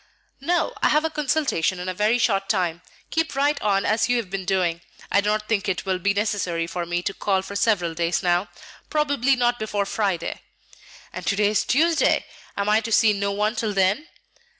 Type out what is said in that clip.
"No; I have a consultation in a very short time. Keep right on as you have been doing. I do not think it will be necessary for me to call for several days now; probably not before Friday." "And to day is Tuesday! Am I to see no one till then?"